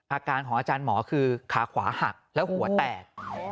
อาการของอาจารย์หมอคือขาขวาหักแล้วหัวแตก